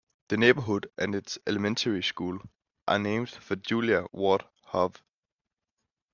The neighborhood and its elementary school are named for Julia Ward Howe.